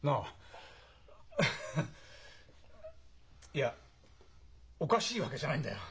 いやおかしいわけじゃないんだよ。